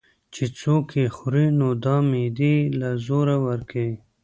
چې څوک ئې خوري نو دا معدې له زور ورکوي